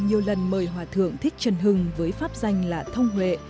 nhiều lần mời hòa thượng thích trần hưng với pháp danh là thông huệ